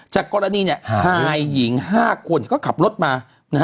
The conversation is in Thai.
จากกรณีชายหญิง๕คนก็ขับรถมา